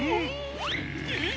うん？